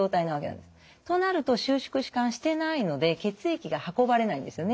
となると収縮弛緩してないので血液が運ばれないんですよね。